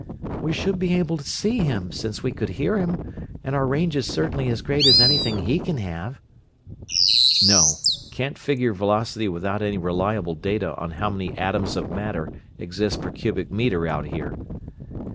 "We should be able to see him, since we could hear him, and our range is certainly as great as anything he can have." "No, can't figure velocity without any reliable data on how many atoms of matter exist per cubic meter out here."